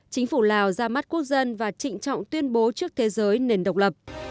chính phủ lào ra mắt quốc dân và trịnh trọng tuyên bố trước thế giới nền độc lập